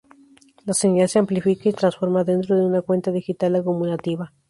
La señal se amplifica y transforma dentro de una cuenta digital acumulativa.